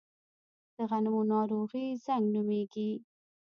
د غنمو ناروغي زنګ نومیږي.